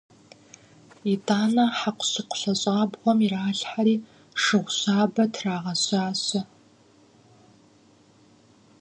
ИтӀанэ хьэкъущыкъу лъэщӀабгъуэм иралъхьэри, шыгъу щабэ трагъэщащэ.